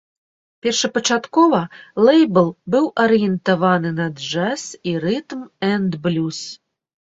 Першапачаткова лэйбл быў арыентаваны на джаз і рытм-энд-блюз.